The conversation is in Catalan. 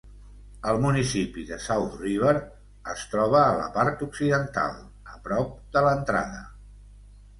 El municipi de South River es troba a la part occidental, a prop de l'entrada.